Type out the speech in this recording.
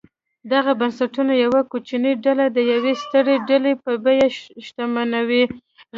دغه بنسټونه یوه کوچنۍ ډله د یوې سترې ډلې په بیه شتمنوي.